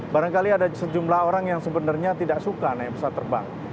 barangkali ada sejumlah orang yang sebenarnya tidak suka naik pesawat terbang